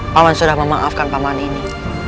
paman sudah memaafkan paman ini